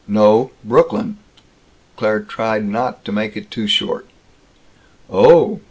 "No. Brooklyn." Claire tried not to make it too short. "Oh."